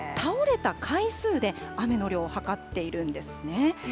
その倒れた回数で、雨の量を計っているんですね。